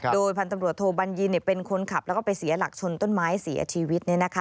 โดยพันธุ์ตำรวจโทบัญญินเป็นคนขับแล้วก็ไปเสียหลักชนต้นไม้เสียชีวิต